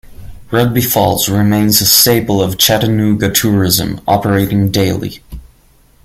Ruby Falls remains a staple of Chattanooga tourism, operating daily.